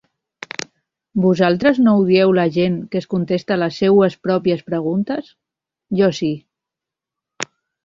Vosaltres no odieu la gent que es contesta les seues pròpies preguntes? Jo sí.